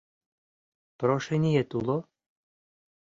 Прошениет уло?